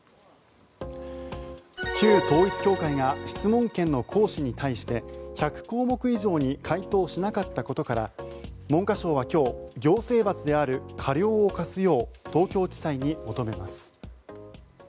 旧統一教会が質問権の行使に対して１００項目以上に回答しなかったことから文科省は今日行政罰である過料を科すよう東京地裁に求めます。